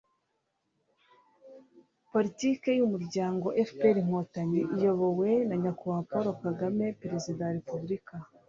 politiki y'umuryango fpr-inkotanyi iyobowe na nyakubahwa paul kagame perezida wa repubulika